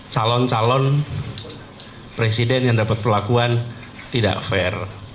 calon calon presiden yang dapat perlakuan tidak fair